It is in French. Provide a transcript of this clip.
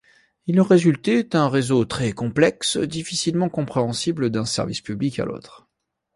Il en résultait un réseau très complexe, difficilement compréhensible d'un service public à l'autre.